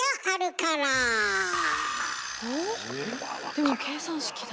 でも計算式だ。